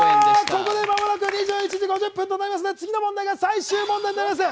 ここで間もなく２１時５０分となりますので次の問題が最終問題となります。